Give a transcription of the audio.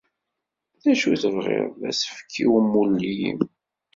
D acu tebɣiḍ d asefk i umulli-m?